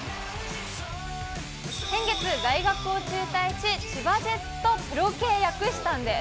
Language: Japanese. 先月、大学を中退し、千葉ジェッツとプロ契約したんです。